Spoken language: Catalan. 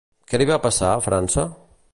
Què li va passar a França?